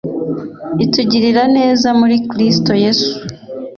itugirira neza muri Kristo Yesu.